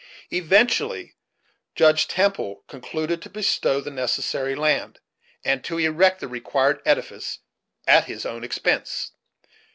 Eventually Judge Temple concluded to bestow the necessary land, and to erect the required edifice at his own expense.